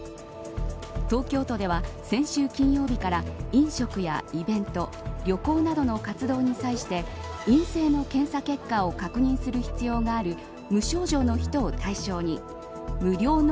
東京都では先週金曜日から飲食やイベント旅行などの活動に際して陰性の検査結果を確認する必要がある